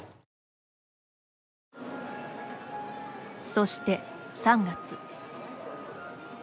そして、３月。